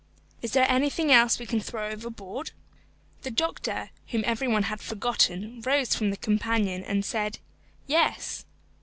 "Is there anything else we can throw overboard?" The doctor, whom every one had forgotten, rose from the companion, and said, "Yes."